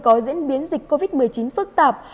có diễn biến dịch covid một mươi chín phức tạp